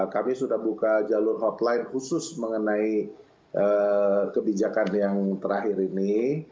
kami sudah buka jalur hotline khusus mengenai kebijakan yang terakhir ini